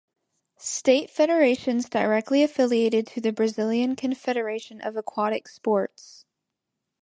State federations directly affiliated to the Brazilian Confederation of Aquatic Sports.